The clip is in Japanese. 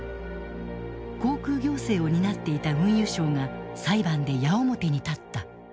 航空行政を担っていた運輸省が裁判で矢面に立った。